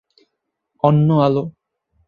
অন্য আলো